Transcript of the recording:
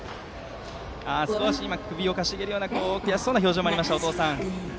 少し首をかしげるような悔しそうな表情もありましたお父さん。